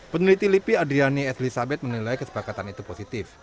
peneliti lipi adriani elizabeth menilai kesepakatan itu positif